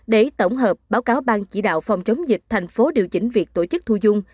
để tổng hợp báo cáo bang chỉ đạo phòng chống dịch thành phố điều chỉnh việc tổ chức thu dung